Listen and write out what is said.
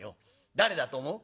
誰だと思う？」。